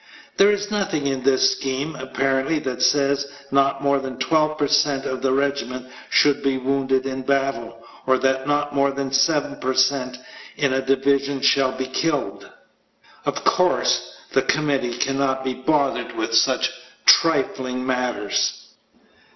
There is nothing in this scheme, apparently, that says not more than 12 per cent of a regiment shall be wounded in battle, or that not more than 7 per cent in a division shall be killed. Of course, the committee cannot be bothered with such trifling matters.